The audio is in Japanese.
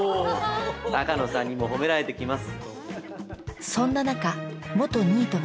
鷹野さんにも褒められてきます。